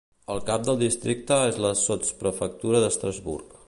El cap del districte és la sotsprefectura d'Estrasburg.